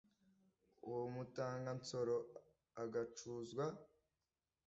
uwo mutaga nsoro agacuzwa